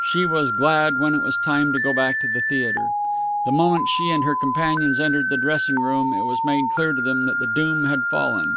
She was glad when it was time to go back to the theatre. The moment she and her companions entered the dressing room, it was made clear to them that the doom had fallen.